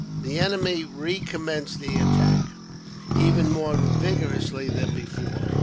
The enemy recommenced the attack, even more vigorously than before.